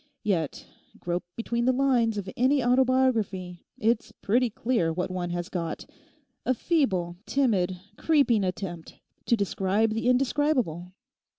Yet grope between the lines of any autobiography, it's pretty clear what one has got—a feeble, timid, creeping attempt to describe the indescribable.